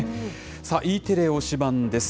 さあ、Ｅテレ推しバン！です。